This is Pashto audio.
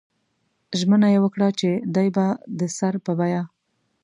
ژمنه یې وکړه چې دی به د سر په بیه.